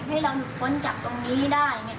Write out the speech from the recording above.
ให้เรานุปนจับตรงนี้ได้